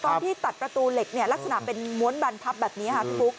ตอนที่ตัดประตูเหล็กลักษณะเป็นม้วนบันพับแบบนี้คุก